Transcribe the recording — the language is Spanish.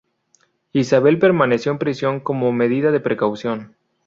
Isabel permaneció en prisión como medida de precaución.